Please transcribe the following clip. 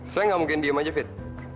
saya nggak mungkin diem aja fit